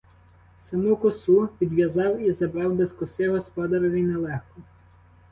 Саму косу відв'язав і забрав — без коси господареві нелегко.